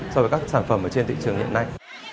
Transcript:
so với các sản phẩm trên thị trường hiện nay